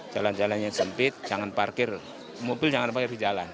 jalan jalannya sempit jangan parkir mobil jangan parkir di jalan